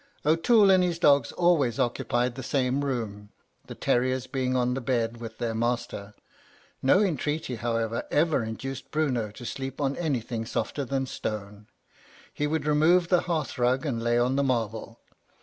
"O'Toole and his dogs always occupied the same room, the terriers being on the bed with their master. No entreaty, however, ever induced Bruno to sleep on anything softer than stone. He would remove the hearth rug and lay on the marble.